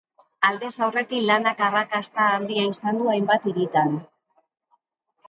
Aldez aurretik, lanak arrakasta handia izan du hainbat hiritan.